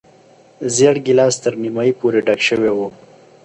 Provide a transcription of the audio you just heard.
زېړ ګیلاس تر نیمايي پورې ډک شوی و.